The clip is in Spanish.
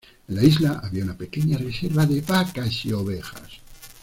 En la isla había una pequeña reserva de vacas y ovejas.